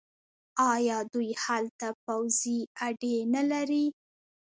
آیا دوی هلته پوځي اډې نلري؟